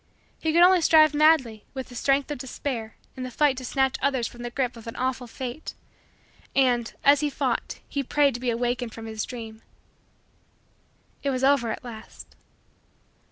He could only strive madly, with the strength of despair, in the fight to snatch others from the grip of an awful fate; and, as he fought, he prayed to be awakened from his dream. It was over at last.